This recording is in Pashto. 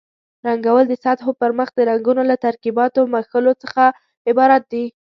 رنګول د سطحو پرمخ د رنګونو له ترکیباتو مښلو څخه عبارت دي.